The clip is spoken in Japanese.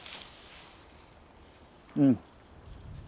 うん。